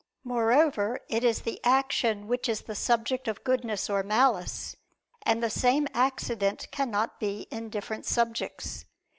Moreover, it is the action which is the subject of goodness or malice: and the same accident cannot be in different subjects.